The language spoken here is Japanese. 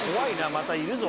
またいるぞ。